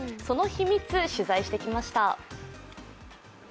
その秘密、取材してきました。